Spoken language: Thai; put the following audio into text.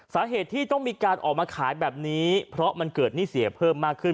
สาเหตุที่ต้องมีการออกมาขายแบบนี้เพราะมันเกิดหนี้เสียเพิ่มมากขึ้น